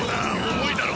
重いだろ。